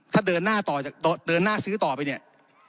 ถ้าเดินหน้าซื้อต่อไปเนี่ย